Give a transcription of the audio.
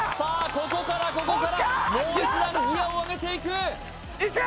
ここからここからもう一段ギアを上げていくいけ！